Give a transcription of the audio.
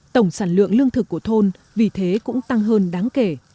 tổng sản lượng lương thực của thôn vì thế cũng tăng hơn đáng kể